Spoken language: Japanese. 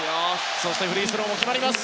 そしてフリースローも決まります。